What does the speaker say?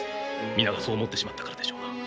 皆がそう思ってしまったからでしょうな。